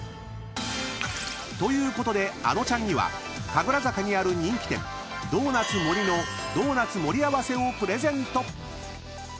［ということであのちゃんには神楽坂にある人気店「ドーナツもり」のドーナツ盛り合わせをプレゼント］